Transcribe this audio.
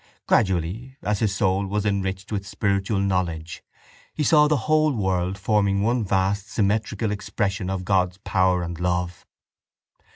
Gradually, as his soul was enriched with spiritual knowledge, he saw the whole world forming one vast symmetrical expression of God's power and love.